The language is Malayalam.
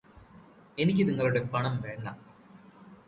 എനിക്ക് നിങ്ങളുടെ പണം വേണ്ട